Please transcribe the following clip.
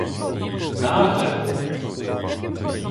— Нате!